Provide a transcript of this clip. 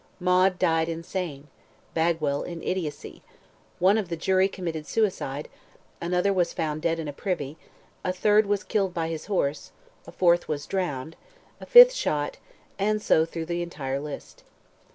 Maude died insane, Bagwell in idiocy, one of the jury committed suicide, another was found dead in a privy, a third was killed by his horse, a fourth was drowned, a fifth shot, and so through the entire list.